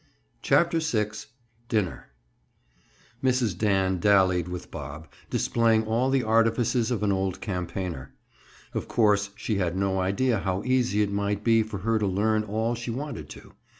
CHAPTER VI—DINNER Mrs. Dan dallied with Bob, displaying all the artifices of an old campaigner. Of course, she had no idea how easy it might be for her to learn all she wanted to.